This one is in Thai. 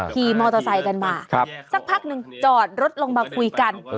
ขี่มอเตอร์ไซค์กันมาสักพักหนึ่งจอดรถลงมาคุยกัน